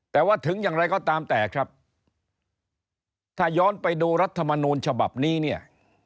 แต่ว่าถึงอย่างไรก็ตามแต่ครับถ้าย้อนไปดูรัฐมนูลฉบับนี้เนี่ย